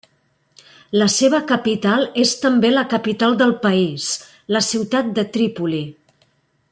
La seva capital és també la capital del país, la ciutat de Trípoli.